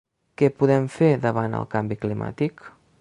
“Què podem fer davant el canvi climàtic?”.